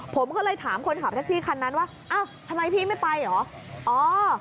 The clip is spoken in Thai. ผมก็เลยถามคนขับแท็กซี่คันนั้นว่าอ้าวทำไมพี่ไม่ไปเหรอ